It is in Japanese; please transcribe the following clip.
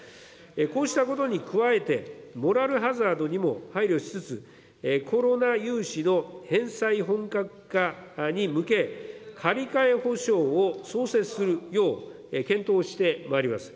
こうしたことに加えて、モラルハザードにも配慮しつつ、コロナ融資の返済本格化に向け、借り替え補償を創設するよう検討してまいります。